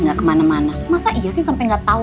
gak kemana mana masa iya sih sampe gak tau